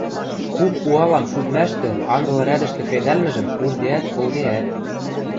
куп уалам шӱдмӓштӹ анзыл рӓдӹштӹ кредӓлмӹжӹм уждеӓт-колдеӓт.